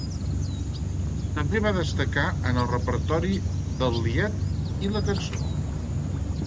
També va destacar en el repertori del lied i la cançó.